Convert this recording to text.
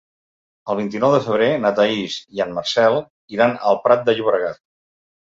El vint-i-nou de febrer na Thaís i en Marcel iran al Prat de Llobregat.